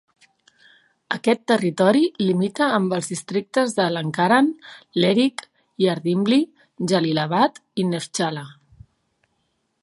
Aquest territori limita amb els districtes de Lankaran, Lerik, Yardimli, Jalilabad i Neftchala.